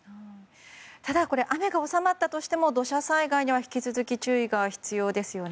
ただ雨が収まったとしても土砂災害には引き続き注意が必要ですよね。